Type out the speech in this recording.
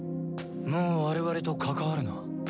もう我々と関わるな。